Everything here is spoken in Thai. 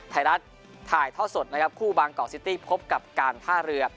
ไทยรัฐถ่ายท่อสดนะครับคู่บางกอกซิตี้พบกับการท่าเรือ